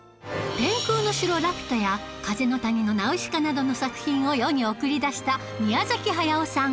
『天空の城ラピュタ』や『風の谷のナウシカ』などの作品を世に送り出した宮崎駿さん